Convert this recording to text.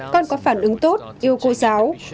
con có phản ứng tốt yêu cô giáo